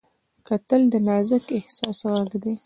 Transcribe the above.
کتل د نازک احساس غږ دی